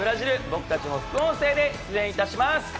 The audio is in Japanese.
僕たちも副音声で出演いたします。